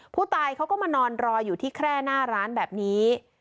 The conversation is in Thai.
ผู้ตายเขาก็มานอนรออยู่ที่แคร่หน้าร้านแบบนี้